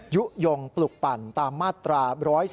ยุโยงปลุกปั่นตามมาตรา๑๔